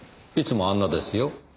いつもあんなですよ。